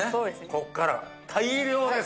こっから大量です！